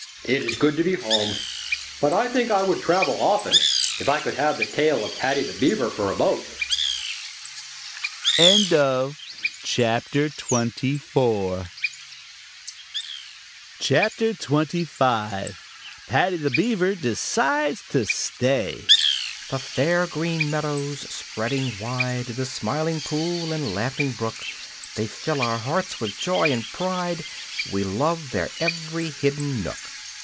"It is good to be home, but I think I would travel often, if I could have the tail of Paddy the Beaver for a boat." CHAPTER XXV: Paddy The Beaver Decides To Stay "The fair Green Meadows spreading wide, The Smiling Pool and Laughing Brook They fill our hearts with joy and pride; We love their every hidden nook."